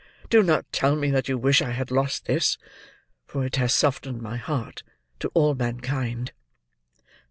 Do not tell me that you wish I had lost this; for it has softened my heart to all mankind."